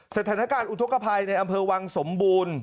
สถานการณ์อุทธกภัยในอำเภอวังสมบูรณ์